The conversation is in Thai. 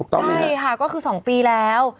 ใช่ค่ะก็คือ๒ปีแล้ว